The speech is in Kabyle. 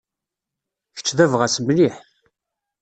Kečč d abɣas mliḥ.